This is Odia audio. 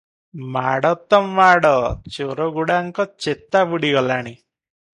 ମାଡ଼ ତ ମାଡ଼, ଚୋରଗୁଡ଼ାଙ୍କ ଚେତା ବୁଡ଼ିଗଲାଣି ।